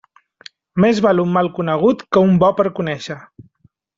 Més val un mal conegut que un bo per conéixer.